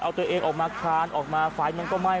เอาตัวเองออกมาคลานออกมาไฟมันก็ไหม้